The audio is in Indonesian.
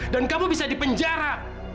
dan kamu bisa di penjara